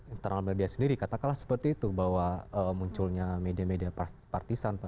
internal media sendiri katakanlah seperti itu bahwa munculnya media media partisan